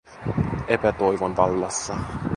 Epätoivon vallassa.